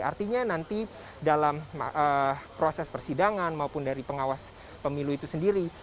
artinya nanti dalam proses persidangan maupun dari pengawas pemilu itu sendiri